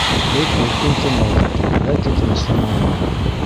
Беҙ иркен тын алдыҡ; ләкин тыныслана алманыҡ.